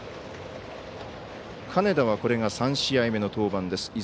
金田はこれが３試合目の登板です。